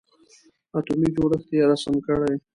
اتومي جوړښت یې رسم کړئ.